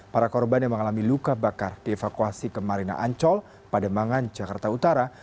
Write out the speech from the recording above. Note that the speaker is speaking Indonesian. para korban yang mengalami luka bakar dievakuasi ke marina ancol pada mangan jakarta utara